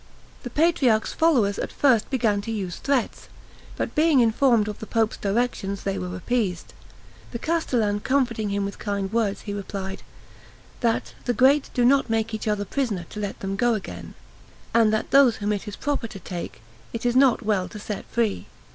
The patriarch's followers at first began to use threats, but being informed of the pope's directions they were appeased. The castellan comforting him with kind words, he replied, that "the great do not make each other prisoners to let them go again; and that those whom it is proper to take, it is not well to set free."